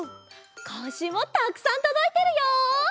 こんしゅうもたくさんとどいてるよ！